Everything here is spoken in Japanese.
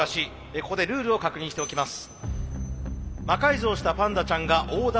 ここでルールを確認しておきます。